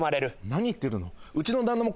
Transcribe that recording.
何言ってるの？